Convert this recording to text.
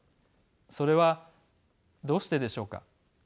それはどうしてでしょうか。